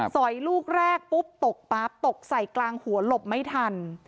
อยลูกแรกปุ๊บตกปั๊บตกใส่กลางหัวหลบไม่ทัน